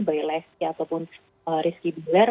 baik lesti ataupun rizky bigler